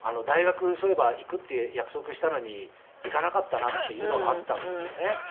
そういえば行くって約束したのに行かなかったなっていうのがあったんですよね。